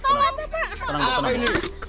pak takut pak takut